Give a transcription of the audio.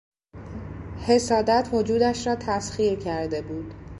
حسادت وجودش را تسخیر کرده بود.